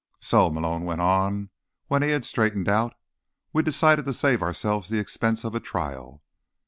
"So," Malone went on when he had straightened out, "we decided to save ourselves the expense of a trial."